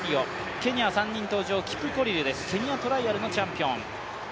ケニア３人登場、ケニアトライアルのチャンピオン。